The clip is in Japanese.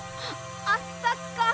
あったかい。